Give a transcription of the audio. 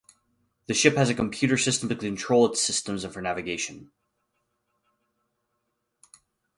The ship has a computer system to control its systems and for navigation.